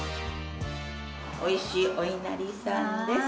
おいしいおいなりさんです。